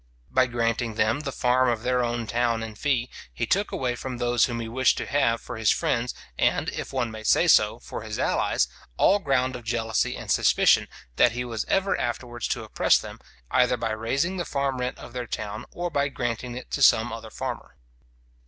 By granting them the farm of their own town in fee, he took away from those whom he wished to have for his friends, and, if one may say so, for his allies, all ground of jealousy and suspicion, that he was ever afterwards to oppress them, either by raising the farm rent of their town, or by granting it to some other farmer.